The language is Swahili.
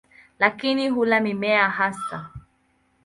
Lakini hula mimea hasa.